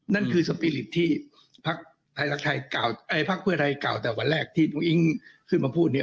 นั่นคือสปีริตที่พักเพื่อไทยเก่าแต่วันแรกที่อุ้งอิ๊งขึ้นมาพูดเนี่ย